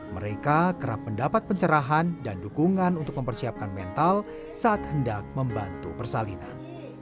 mereka kerap mendapat pencerahan dan dukungan untuk mempersiapkan mental saat hendak membantu persalinan